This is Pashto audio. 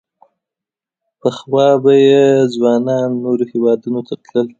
پخوا به یې ځوانان نورو هېوادونو ته تلل.